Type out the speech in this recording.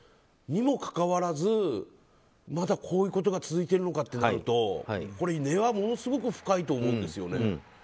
にもかかわらずまだこういうことが続いてるのかとなると根はものすごく深いと思うんですよね。